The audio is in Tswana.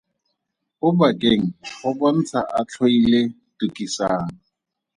Obakeng go bontsha a tlhoile Tukisang.